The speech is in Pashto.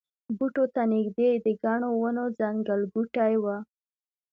بوټو ته نږدې د ګڼو ونو ځنګلګوټی و.